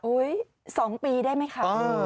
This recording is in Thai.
โอ๊ยสองปีได้ไหมคะ